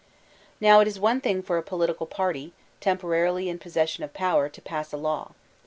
Now it is one thing for a political party, tenq>orarily in possession of power, to pass a law.